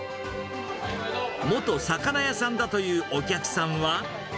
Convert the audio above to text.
元魚屋さんだというお客さんは。